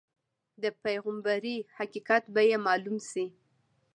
د پیغمبرۍ حقیقت به یې معلوم شي.